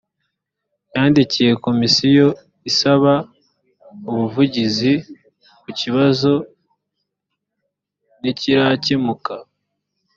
yandikiye komisiyo asaba ubuvugizi ku kibazo ntikirakemuka